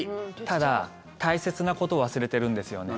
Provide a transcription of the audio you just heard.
ただ、大切なことを忘れてるんですよね。